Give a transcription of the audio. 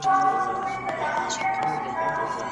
چي به کله ښکاري باز پر را ښکاره سو ..